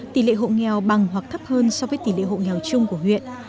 tỷ lệ hộ nghèo bằng hoặc thấp hơn so với tỷ lệ hộ nghèo chung của huyện